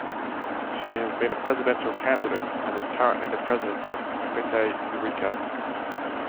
She has been a presidential candidate and is currently the president of Comité Eureka.